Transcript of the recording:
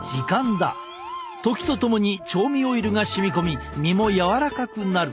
時とともに調味オイルが染み込み身もやわらかくなる。